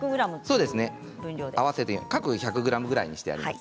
各１００ｇぐらいにしてあります。